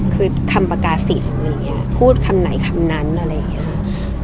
คือคำปากาศิลป์อะไรอย่างเงี้ยพูดคำไหนคำนั้นอะไรอย่างเงี้ย